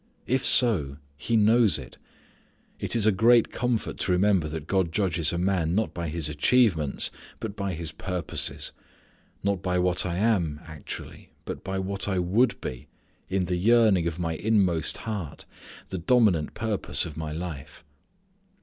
If so He knows it. It is a great comfort to remember that God judges a man not by his achievements, but by his purposes: not by what I am, actually, but by what I would be, in the yearning of my inmost heart, the dominant purpose of my life.